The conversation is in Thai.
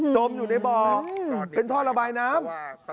จมอยู่ในบ่อเป็นท่อระบายน้ำ